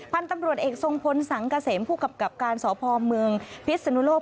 พันธุ์ตำรวจเอกสงพลสังกเสมผู้กับการสอบภอมเมืองพิษสนุโลก